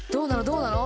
どうなの？